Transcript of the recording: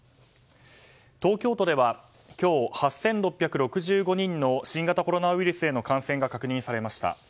東京都では今日８６６５人の新型コロナウイルスへの感染が確認されました。